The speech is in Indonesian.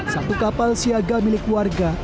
satu kapal siaga milik warga